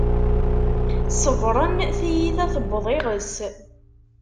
Ṣebren, tiyita tewweḍ iγes